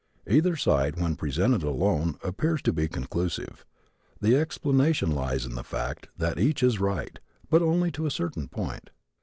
Either side, when presented alone, appears to be conclusive. The explanation lies in the fact that each is right, but only to a certain point.